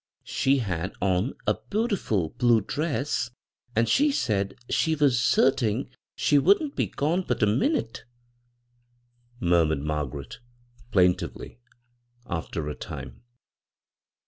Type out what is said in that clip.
'" She had on a bootiful blue dress, and she said she was certing she wouldn't be gone but a minute," murmured Margaret, plain tively, after a time.